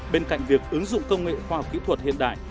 bên cạnh việc ứng dụng công nghệ khoa học kỹ thuật hiện đại